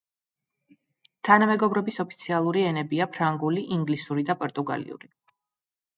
თანამეგობრობის ოფიციალური ენებია ფრანგული, ინგლისური და პორტუგალიური.